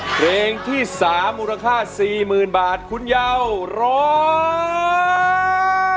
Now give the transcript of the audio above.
เพลงที่๓มูลค่า๔๐๐๐บาทคุณเยาวร้อง